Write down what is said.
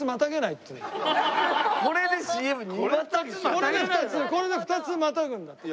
これで２つこれで２つまたぐんだって。